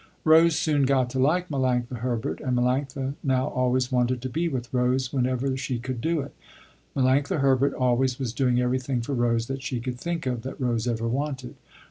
Rose soon got to like Melanctha Herbert and Melanctha now always wanted to be with Rose, whenever she could do it. Melanctha Herbert always was doing everything for Rose that she could think of that Rose ever wanted.